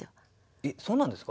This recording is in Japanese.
えっそうなんですか？